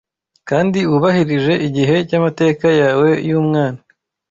kandi wubahirije igihe cyamateka yawe yumwana,